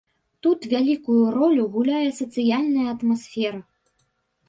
Тут вялікую ролю гуляе сацыяльная атмасфера.